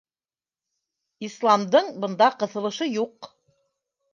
Исламдың бында ҡыҫылышы юҡ.